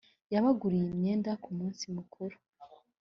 yabaguriye imyenda ku munsi mukuru .